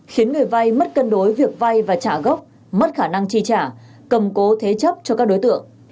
khiến người vay mất cân đối việc vay và trả gốc mất khả năng chi trả cầm cố thế chấp cho các đối tượng